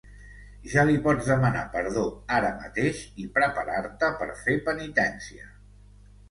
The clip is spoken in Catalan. Ja li pots demanar perdó ara mateix i preparar-te per fer penitència.